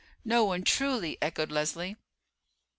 "No one, truly," echoed Leslie.